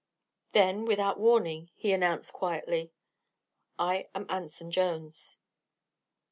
Then, without warning, he announced quietly: "I am Anson Jones."